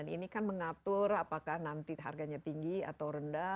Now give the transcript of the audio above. ini kan mengatur apakah nanti harganya tinggi atau rendah